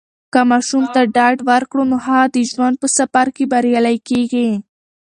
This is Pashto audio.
که ماشوم ته ډاډ ورکړو، نو هغه د ژوند په سفر کې بریالی کیږي.